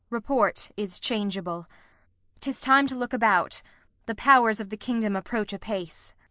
Kent. Report is changeable. 'Tis time to look about; the powers of the kingdom approach apace.